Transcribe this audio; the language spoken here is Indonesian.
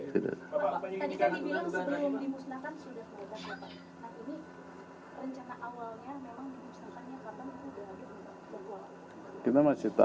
tadi tadi bilang sebelum dimusnahkan sudah terlepas